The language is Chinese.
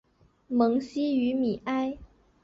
蒙希于米埃。